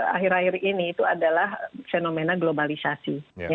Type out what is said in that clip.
akhir akhir ini itu adalah fenomena globalisasi